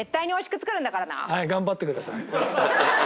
はい頑張ってください。